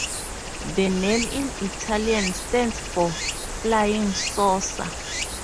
The name in Italian stands for "Flying Saucer".